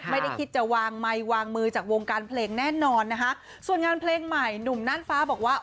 ไม่ได้คิดจะวางไมค์วางมือจากวงการเพลงแน่นอนนะคะส่วนงานเพลงใหม่หนุ่มน่านฟ้าบอกว่า